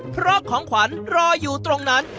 เพราะของขวัญรออยู่ตรงนั้น